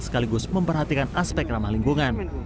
sekaligus memperhatikan aspek ramah lingkungan